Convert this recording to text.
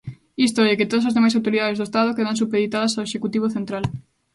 Isto é, que todas as demais autoridades do Estado quedan supeditadas ao Executivo central.